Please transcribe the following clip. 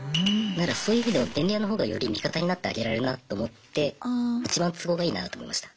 そういう意味でも便利屋のほうがより味方になってあげられるなと思っていちばん都合がいいなと思いました。